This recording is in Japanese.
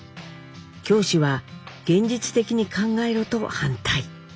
教師は現実的に考えろと反対。